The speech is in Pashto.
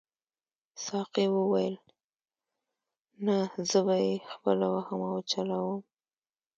ساقي وویل نه زه به یې خپله وهم او چلاوم.